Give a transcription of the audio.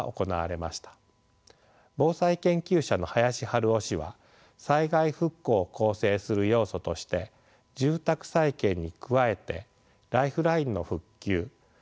防災研究者の林春男氏は災害復興を構成する要素として住宅再建に加えてライフラインの復旧都市計画事業住宅再建雇用の確保